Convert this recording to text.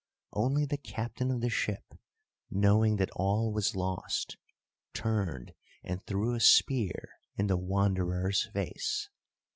Only the captain of the ship, knowing that all was lost, turned and threw a spear in the Wanderer's face.